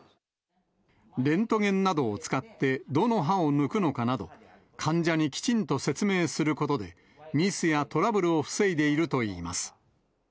レントゲンなどを使って、どの歯を抜くのかなど、患者にきちんと説明することで、ミスやトラブルを防いでいるといいます。